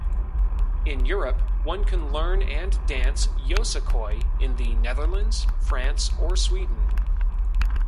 In Europe, one can learn and dance Yosakoi in the Netherlands, France or Sweden.